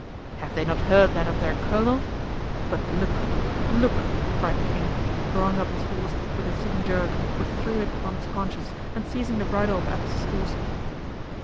"Have they not heard that of their colonel? But look! look!" cried the king, drawing up his horse with a sudden jerk, which threw it on its haunches, and seizing the bridle of Athos's horse.